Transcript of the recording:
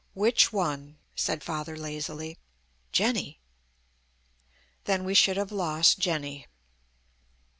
"Which one?" said Father lazily. "Jenny." "Then we should have lost Jenny."